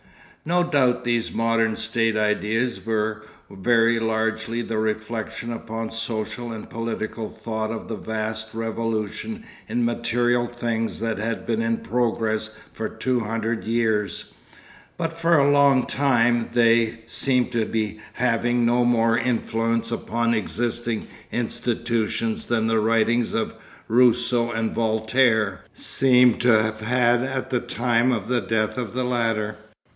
No doubt these Modern State ideas were very largely the reflection upon social and political thought of the vast revolution in material things that had been in progress for two hundred years, but for a long time they seemed to be having no more influence upon existing institutions than the writings of Rousseau and Voltaire seemed to have had at the time of the death of the latter.